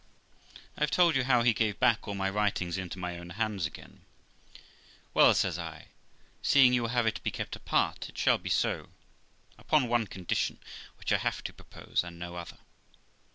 I have told you how he gave back all my writings into my own hands again. ' Well ', says I, ' seeing you will have it be kept apart, it shall be so, upon one condition, which I have to propose, and no other.'